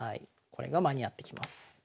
これが間に合ってきます。